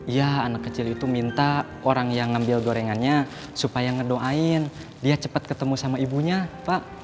ya anak kecil itu minta orang yang ngambil gorengannya supaya ngedoain dia cepat ketemu sama ibunya pak